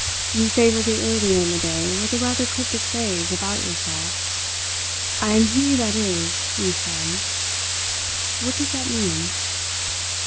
You favoured me earlier in the day with a rather cryptic phrase about yourself. 'I am he that is,' you said. What does that mean?"